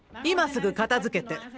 今すぐ片づけて。